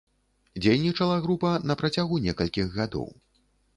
Дзейнічала група на працягу некалькіх гадоў.